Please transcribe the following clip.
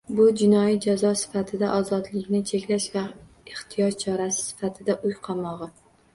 Bu jinoiy jazo sifatida ozodlikni cheklash va ehtiyot chorasi sifatida uy qamog‘i.